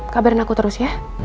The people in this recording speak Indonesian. kabarin aku terus ya